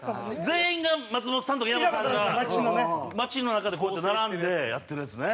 全員が松本さんと稲葉さんが街の中でこうやって並んでやってるやつね。